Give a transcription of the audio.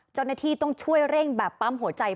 เจ้าหน้าที่ต้องช่วยเร่งแบบปั๊มหัวใจ